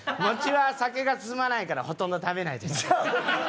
もちは酒が進まないからほとんど食べないです。